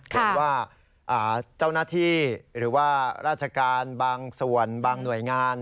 หรือว่าเจ้าหน้าที่หรือว่าราชการบางส่วนบางหน่วยงาน